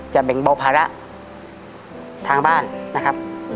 แบ่งเบาภาระทางบ้านนะครับ